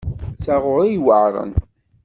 D taɣuri yuεren.